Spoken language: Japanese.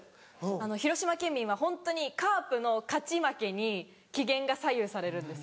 広島県民はホントにカープの勝ち負けに機嫌が左右されるんですよ。